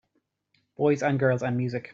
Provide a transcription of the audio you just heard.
Boys and girls and music.